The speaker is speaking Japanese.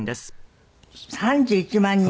３１万人？